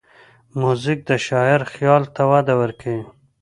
موزیک د شاعر خیال ته وده ورکوي.